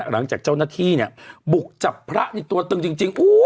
หลังจากเจ้าหน้าที่เนี่ยบุกจับพระในตัวตึงจริง